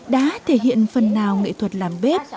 đã thể hiện phần nào nghệ thuật làm bếp